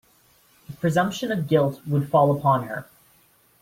The presumption of guilt would fall upon her.